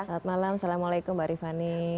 selamat malam assalamualaikum mbak rifani